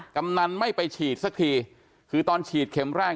กำนันไม่ไปฉีดสักทีคือตอนฉีดเข็มแรก